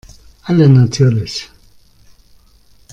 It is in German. Alle natürlich.